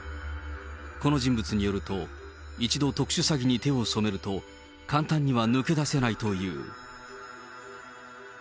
この人物によると、一度特殊詐欺に手を染めると、簡単には抜け出せないという。